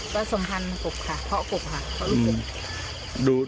ผสมพันธุ์กบค่ะเพราะกบค่ะเพราะรู้สึก